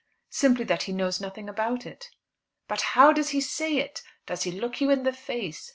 "Simply that he knows nothing about it." "But how does he say it? Does he look you in the face?